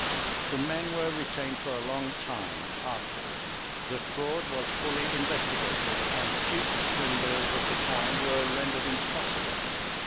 The men were retained for a long time afterward. The fraud was fully investigated, and future swindles of the kind were rendered impossible.